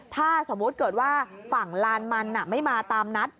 ถ้าสมมุติเกิดว่าฝั่งลานมันไม่มาตามนัด